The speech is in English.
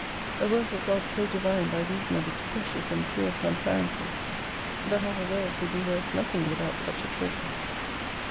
A work of God so Divine by reason of its precious and pure transparency, that all worlds would be worth nothing without such a treasure.